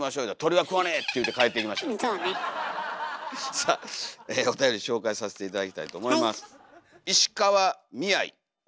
さあおたより紹介させて頂きたいと思います。